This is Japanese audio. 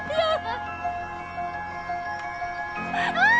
ああ！